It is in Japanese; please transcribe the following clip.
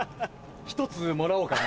１つもらおうかな。